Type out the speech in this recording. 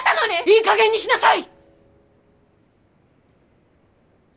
いいかげんにしなさい！